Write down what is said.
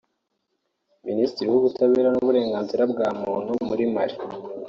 Minisitiri w’Ubutabera n’Uburenganzira bwa muntu muri Mali